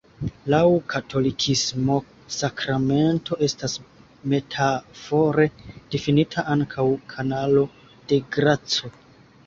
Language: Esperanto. Laŭ katolikismo, sakramento estas metafore difinita ankaŭ "kanalo de graco".